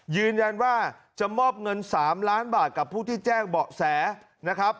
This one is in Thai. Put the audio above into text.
ยืนยันว่าจะมอบเงิน๓ล้านบาทกับผู้ที่แจ้งเบาะแสนะครับ